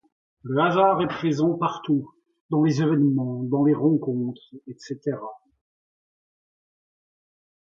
Le hasard est présent partout, dans les évènements, dans les rencontres, etc.